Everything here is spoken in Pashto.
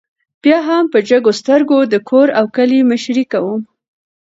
بيا هم په جګو سترګو د کور او کلي مشري کوي